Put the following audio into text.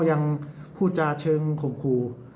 ยังพูดจาเชิงข่มขู่